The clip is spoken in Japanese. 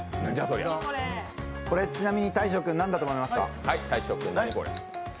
これ、ちなみに大昇君、なんだと思いますか？